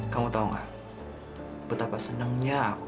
kamu tahu gak betapa senangnya